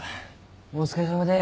お疲れさまです。